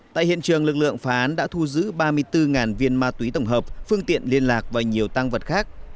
tại hiện trường lực lượng phá án đã thu giữ ba mươi bốn viên ma túy tổng hợp phương tiện liên lạc và nhiều tăng vật khác